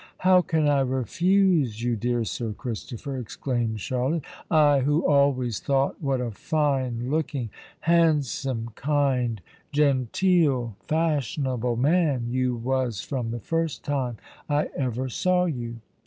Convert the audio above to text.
"How can I refuse you, dear Sir Christopher?" exclaimed Charlotte;—"I, who always thought what a fine looking—handsome—kind—genteel—fashionable man you was from the first time I ever saw you!"